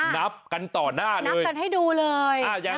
นับกันต่อหน้านะนับกันให้ดูเลย